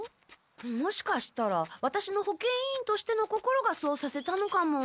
もしかしたらワタシの保健委員としての心がそうさせたのかも。